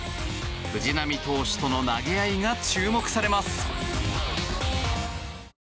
藤浪投手との投げ合いが注目されます。